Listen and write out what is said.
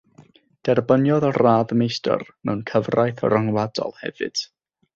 Derbyniodd radd meistr mewn cyfraith ryngwladol hefyd.